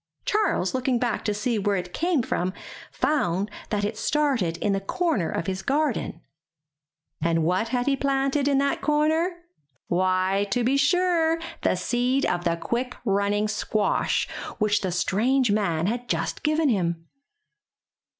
Charles, looking back to see where it came from, found that it started in the corner of his garden. And what had he planted in 204 IN THE NURSERY that corner? Why, to be sure, the seed of the quick running squash, which the strange man had just given him.